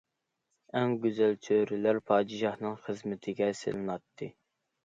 ئەڭ گۈزەل چۆرىلەر پادىشاھنىڭ خىزمىتىگە سېلىناتتى.